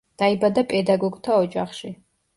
დაიბადა პედაგოგთა ოჯახში.